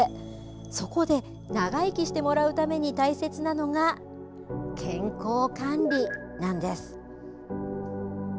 そこで長生きしてもらうために大切なのが健康管理なんです。